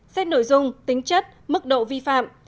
xét nội dung tính chất mức độ vi phạm